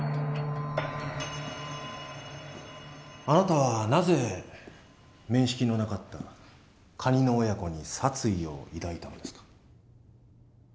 あなたはなぜ面識のなかったカニの親子に殺意を抱いたのですか？